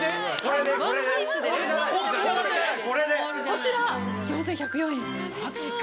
こちら４１０４円。